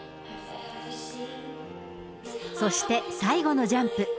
そして最後のジャンプ。